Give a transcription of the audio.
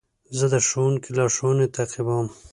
زه د ښوونکي لارښوونې تعقیبوم.